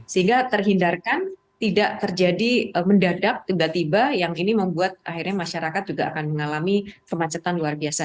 sehingga terhindarkan tidak terjadi mendadak tiba tiba yang ini membuat akhirnya masyarakat juga akan mengalami kemacetan luar biasa